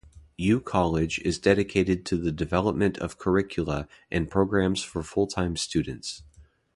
U College is dedicated to the development of curricula and programmes for full-time students.